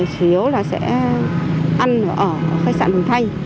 chủ yếu là sẽ ăn ở khách sạn mường thanh